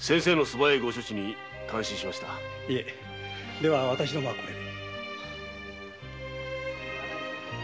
では私どもはこれで。